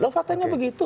loh faktanya begitu